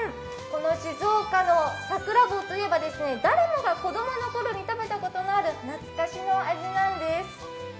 静岡のさくら棒といえば、誰もが子供のころに食べたことのある懐かしの味なんです。